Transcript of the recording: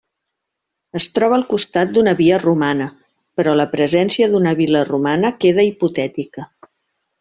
Es troba al costat d'una via romana, però la presència d'una vil·la romana queda hipotètica.